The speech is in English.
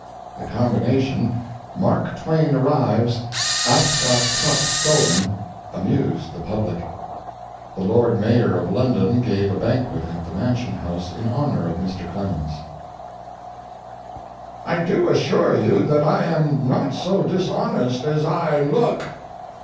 The combination, MARK TWAIN ARRIVES ASCOT CUP STOLEN, amused the public. The Lord Mayor of London gave a banquet at the Mansion House in honor of Mr. Clemens. I do assure you that I am not so dishonest as I look.